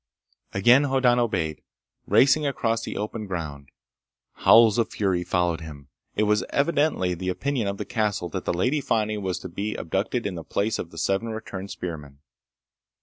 Again Hoddan obeyed, racing across the open ground. Howls of fury followed him. It was evidently the opinion of the castle that the Lady Fani was to be abducted in the place of the seven returned spearmen.